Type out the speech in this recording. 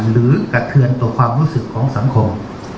กระเทือนต่อความรู้สึกของสังคม